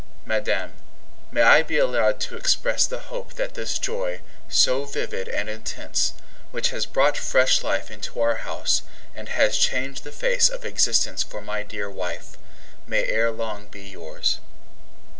Madame, may I be allowed to express the hope that this joy, so vivid and intense, which has brought fresh life into our house, and has changed the face of existence for my dear wife, may ere long be yours?